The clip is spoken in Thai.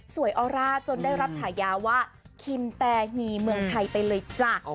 ออร่าจนได้รับฉายาว่าคิมแตฮีเมืองไทยไปเลยจ้ะ